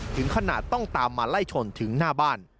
ถึงขนาดต้องตามมาไล่ชนถึงหน้าบ้าน